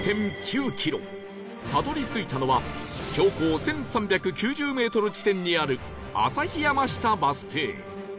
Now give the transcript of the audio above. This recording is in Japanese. たどり着いたのは標高１３９０メートル地点にある旭山下バス停